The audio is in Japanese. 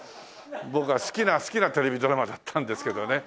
僕は好きなテレビドラマだったんですけどね。